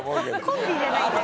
コンビじゃないんで。